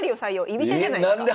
居飛車じゃないですか。